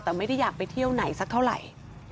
แต่ไม่ได้อยากไปเที่ยวไหนสักเท่าไหร่